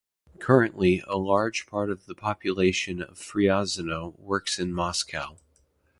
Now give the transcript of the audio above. Currently, a large part of the population of Fryazino works in Moscow.